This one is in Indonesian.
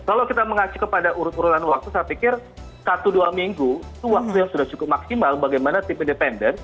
kalau kita mengacu kepada urutan urutan waktu saya pikir satu dua minggu itu waktu yang sudah cukup maksimal bagaimana tim independen